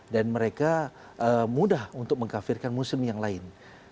dan mereka mudah untuk mengkafirkan muslim yang lain